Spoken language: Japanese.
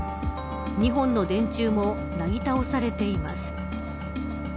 ２本の電柱もなぎ倒されています。